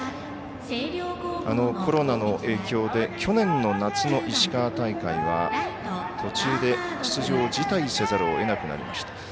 コロナの影響で去年の夏の石川大会は途中で出場を辞退せざるをえなくなりました。